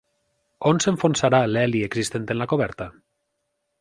On s'enfonsarà l'heli existent en la coberta?